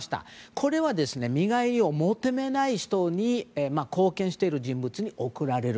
これは見返りを求めない人貢献している人物に贈られる。